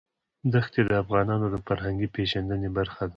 دښتې د افغانانو د فرهنګي پیژندنې برخه ده.